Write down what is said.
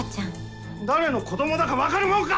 誰の子どもだか分かるもんか！